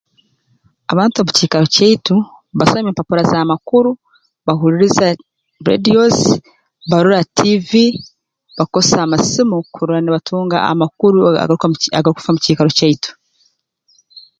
Abantu omu kiikaro kyaitu basoma empapura z'amakuru bahuliriza rreediyozi barora tiivi bakozesa amasimo kurora nibatunga amakuru agaru agarukufa mu kiikaro kyaitu